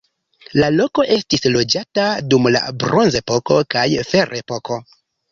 La loko estis loĝata dum la bronzepoko kaj ferepoko.